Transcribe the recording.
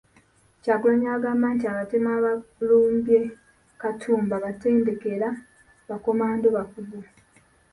Kyagulanyi agamba nti abatemu abalumbye Katumba batendeke era bakomando bakugu .